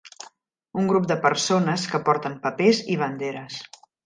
Un grup de persones que porten papers i banderes.